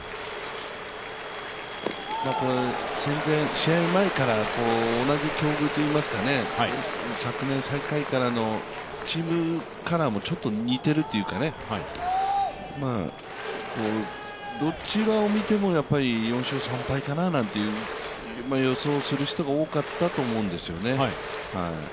試合前から同じ境遇といいますか、昨年最下位からの、チームカラーもちょっと似ているというか、どちらを見ても、４勝３敗かなという予想をする人が多かったと思います。